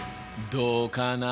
どうかな？